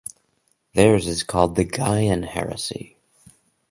Theirs is called the Gaian heresy.